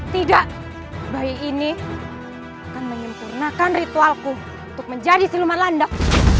tidak bayi ini akan menyempurnakan ritualku untuk menjadi siluman landak